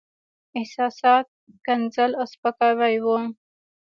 احساسات، ښکنځل او سپکاوي وو.